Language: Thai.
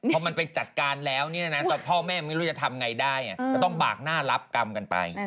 พอมันไปจัดการแล้วพ่อแม่ไม่รู้จะทำไงได้จะต้องบากหน้ารับกรรมกันไป